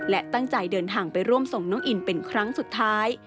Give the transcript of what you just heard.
และตั้งใจเดินทางไปร่วมส่งน้องอินเป็นครั้งสุดท้าย